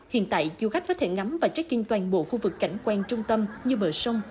hiện tại du khách có thể ngắm và check in toàn bộ khu vực cảnh quan trung tâm như bờ sông